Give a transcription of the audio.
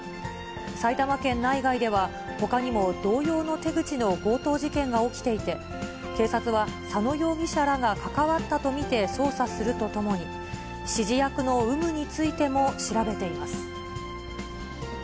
埼玉県内外では、ほかにも同様の手口の強盗事件が起きていて、警察は佐野容疑者らが関わったと見て捜査するとともに、指示役の有無についても調べています。